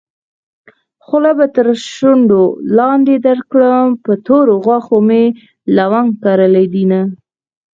خوله به تر شونډو لاندې درکړم په تورو غاښو مې لونګ کرلي دينه